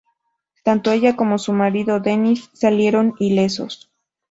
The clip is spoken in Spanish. Tanto ella como su marido Denis salieron ilesos.